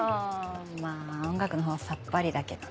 まぁ音楽のほうはさっぱりだけどね。